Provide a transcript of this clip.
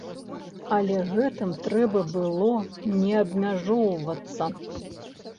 Але гэтым трэба было не абмяжоўвацца.